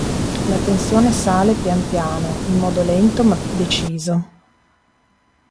La tensione sale pian piano in modo lento, ma deciso.